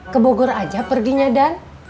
ke bogor aja perginya dan